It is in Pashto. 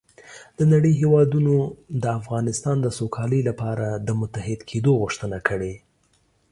د نړۍ هېوادونو د افغانستان د سوکالۍ لپاره د متحد کېدو غوښتنه کړې